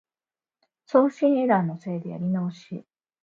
送信エラーのせいでやり直し